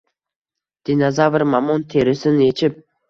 Dinozavr, mamont terisin yechib